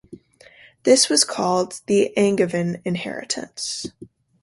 This was called the Angevin inheritance.